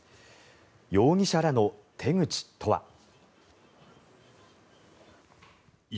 容疑者らの手口とは。